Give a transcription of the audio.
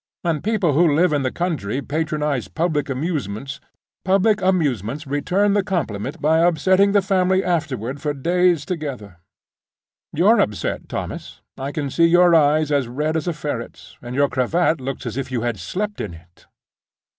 When people who live in the country patronize public amusements, public amusements return the compliment by upsetting the family afterward for days together. You're upset, Thomas, I can see your eyes are as red as a ferret's, and your cravat looks as if you had slept in it.